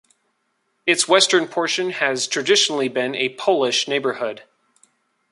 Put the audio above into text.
Its western portion has traditionally been a Polish neighborhood.